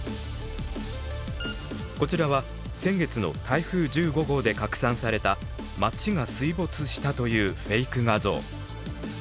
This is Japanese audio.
こちらは先月の台風１５号で拡散された町が水没したというフェイク画像。